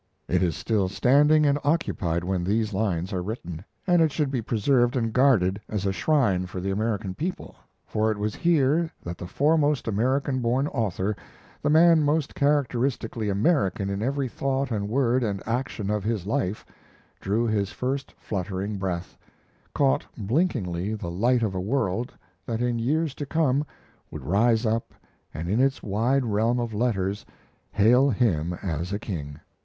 It is still standing and occupied when these lines are written, and it should be preserved and guarded as a shrine for the American people; for it was here that the foremost American born author the man most characteristically American in every thought and word and action of his life drew his first fluttering breath, caught blinkingly the light of a world that in the years to come would rise up and in its wide realm of letters hail him as a king.